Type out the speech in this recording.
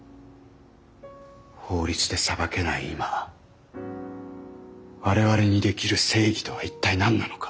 法律で裁けない今我々にできる正義とは一体何なのか。